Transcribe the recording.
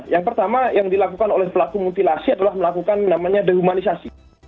yang pertama yang dilakukan oleh pelaku mutilasi adalah melakukan namanya dehumanisasi